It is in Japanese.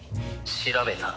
「調べた。